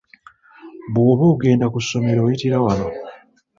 Bw'oba ogenda ku ssomero oyitira wano.